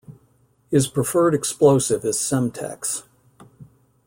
His preferred explosive is Semtex.